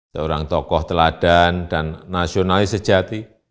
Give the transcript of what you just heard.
seorang tokoh teladan dan nasionalis sejati